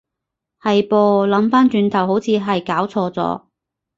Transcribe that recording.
係噃，諗返轉頭好似係攪錯咗